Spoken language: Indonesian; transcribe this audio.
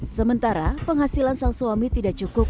sementara penghasilan sang suami tidak cukup